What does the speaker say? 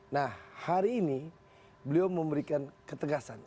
nah hari ini beliau memberikan ketegasan